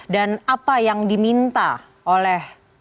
dan apa yang diminta oleh komnas ham